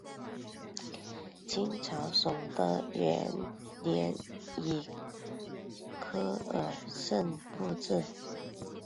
清朝崇德元年以科尔沁部置。